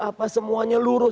apa semuanya lurus